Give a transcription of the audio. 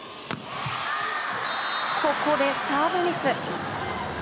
ここでサーブミス。